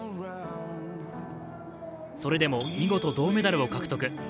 それでも見事、銅メダルを獲得。